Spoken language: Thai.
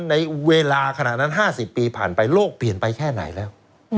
ในเวลาขณะนั้น๕๐ปีผ่านไปโลกเปลี่ยนไปแค่ไหนแล้ว